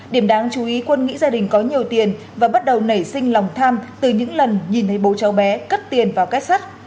điểm đáng chú ý quân nghĩ gia đình có nhiều tiền và bắt đầu nảy sinh lòng tham từ những lần nhìn thấy bố cháu bé cất tiền vào kết sắt